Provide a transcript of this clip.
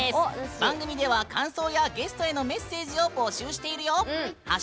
番組では感想やゲストへのメッセージを募集しているよ。